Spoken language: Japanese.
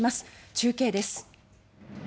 中継です。